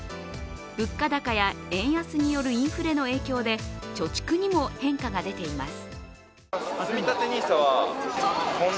物価高や円安によるインフレの影響で貯蓄にも変化が出ています。